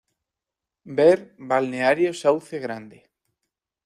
Ver Balneario Sauce Grande.